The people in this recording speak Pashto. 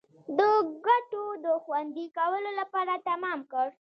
د ګټو د خوندي کولو لپاره تمام کړ.